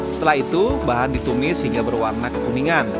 setelah itu bahan ditumis hingga berwarna kekuningan